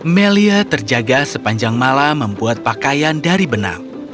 melia terjaga sepanjang malam membuat pakaian dari benang